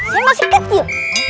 saya masih kecil